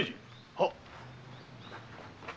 はっ！